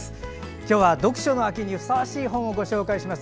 今日は読書の秋にふさわしい本をご紹介します。